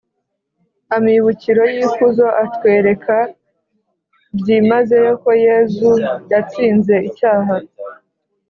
amibukiro y'ikuzo atwereka byimazeyo ko yezu yatsinze icyaha